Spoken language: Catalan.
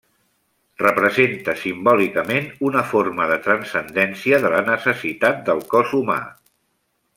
Representa simbòlicament una forma de transcendència de la necessitat del cos humà.